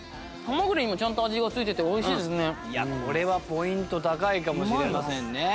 これはポイント高いかもしれませんね。